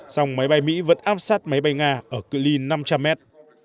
dòng máy bay mỹ vẫn áp sát máy bay nga ở cự li năm trăm linh mét